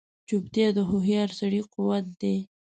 چوپتیا، د هوښیار سړي قوت دی.